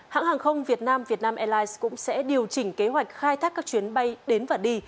hãng hàng không việt nam vietnam airlines cũng sẽ điều chỉnh kế hoạch khai thác các chuyến bay đến và đi